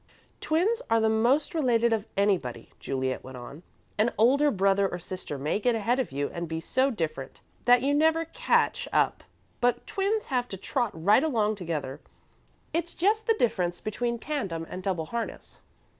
"Twins are the most related of anybody," Juliet went on. "An older brother or sister may get ahead of you and be so different that you never catch up, but twins have to trot right along together. It's just the difference between tandem and double harness."